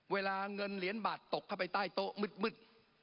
เวลาเงินเหรียญบาทตกเข้าไปใต้โต๊ะมืด